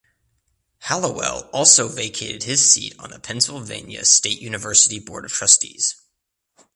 Hallowell also vacated his seat on the Pennsylvania State University Board of Trustees.